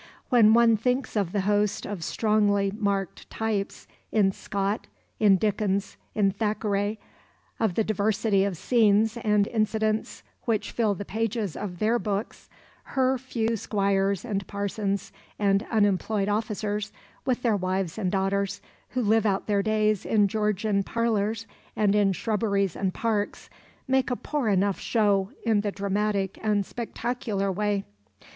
When one thinks of the host of strongly marked types in Scott, in Dickens, in Thackeray, of the diversity of scenes and incidents which fill the pages of their books, her few squires and parsons and unemployed officers, with their wives and daughters, who live out their days in Georgian parlours and in shrubberies and parks, make a poor enough show in the dramatic and spectacular way.